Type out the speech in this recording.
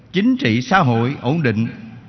chính trị xã hội ổn định